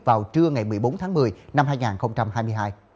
vào trưa ngày một mươi bốn tháng một mươi năm hai nghìn hai mươi hai